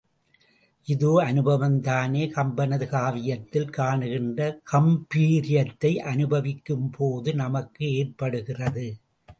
இதே அனுபவம்தானே கம்பனது காவியத்தில் காணுகின்ற காம்பீர்யத்தை அனுபவிக்கும் போது நமக்கும் ஏற்படுகிறது!